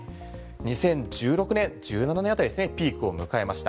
２０１６年、１７年あたりでピークを迎えました。